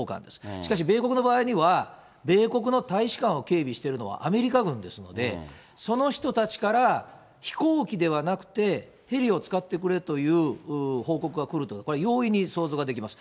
しかし米国の場合には、米国の大使館を警備しているのはアメリカ軍ですので、その人たちから飛行機ではなくて、ヘリを使ってくれという報告が来ると、これは容易に想像ができます。